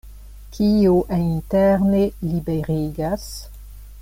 Kio interne liberigas?